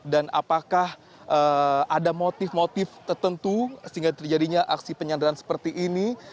dan apakah ada motif motif tertentu sehingga terjadinya aksi penyandaran seperti ini